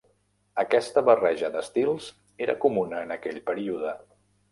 Aquesta barreja d'estils era comuna en aquell període.